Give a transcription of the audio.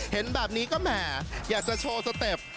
เห็นแบบนี้ก็แหมอยากจะโชว์สเต็ป